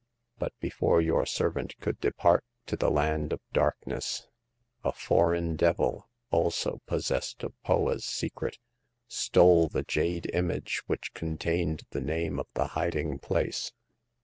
But before your servant could depart to the Land of Darkness, a foreign devil, also possessed of Poa's secret, stole the jade image which contained the name of the hiding place.